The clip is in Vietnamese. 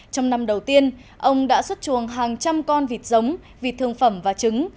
trong năm đầu tiên ông đã xuất chuồng hàng trăm con vịt giống vịt thương phẩm và trứng